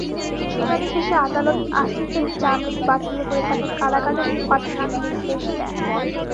শুনানি শেষে আদালত আসিফের জামিন বাতিল করে তাঁকে কারাগারে পাঠানোর নির্দেশ দেন।